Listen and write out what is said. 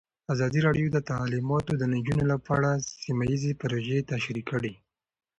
ازادي راډیو د تعلیمات د نجونو لپاره په اړه سیمه ییزې پروژې تشریح کړې.